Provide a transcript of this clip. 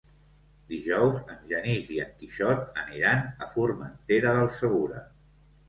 Dijous en Genís i en Quixot aniran a Formentera del Segura.